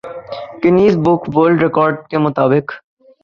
Guinness book world record کے مطابق